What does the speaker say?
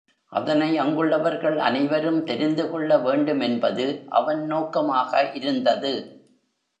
அதனை அங்குள்ளவர்கள் அனைவரும் தெரிந்து கொள்ள வேண்டும் என்பது அவன் நோக்கமாக இருந்தது.